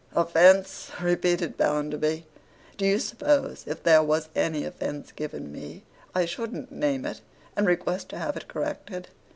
'Offence!' repeated Bounderby. 'Do you suppose if there was any offence given me, I shouldn't name it, and request to have it corrected?